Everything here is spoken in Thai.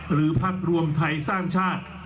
พักรวมไทยสร้างชาติ